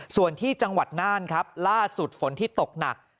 ส่วนที่จังหวัดน่านครับล่าสุดฝนที่ตกหนัก